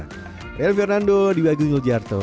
real fernando di bagung lujarto